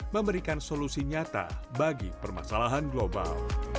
memberikan solusi nyata bagi permasalahan global